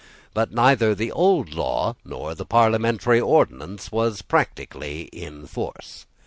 But neither the old law nor the parliamentary ordinance was practically in force.